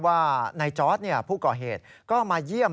ว่านายจอร์ดผู้ก่อเหตุก็มาเยี่ยม